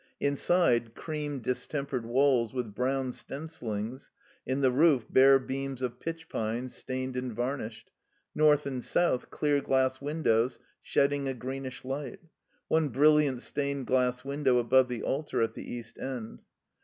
I Inside, cream distempered walls with brown sten dlings; in the roof, bare beams of pitch pine, stained and varnished; nwth and south, clear glass windows shedding a greenish light ; one brilliant stained glass window above the altar at the east end.